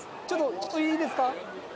ちょっといいですか？